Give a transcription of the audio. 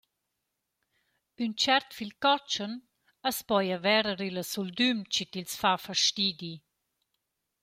Ün tschert fil cotschen as poja verer illa suldüm chi tils fa fastidi.